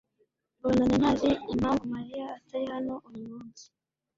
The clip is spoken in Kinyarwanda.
Bonane ntazi impamvu Mariya atari hano uyu munsi .